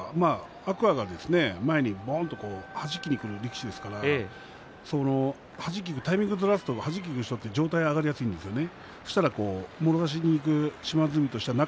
天空海は前にはじきにくる力士ですからタイミングをずらすとはじく人は上体が上がりやすいですね。